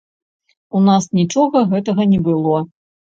У нас нічога гэтага не было.